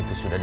tak ada apa